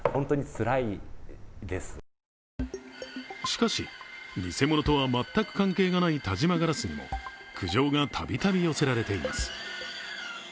しかし、偽物とは全く関係がない田島硝子にも苦情がたびたび寄せられています。